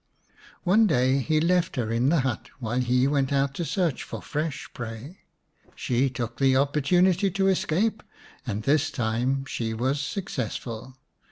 One day he left her in the hut while he went out to search for fresh prey. She took the opportunity to escape, and this time she was successful.